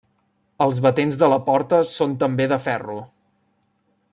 Els batents de la porta són també de ferro.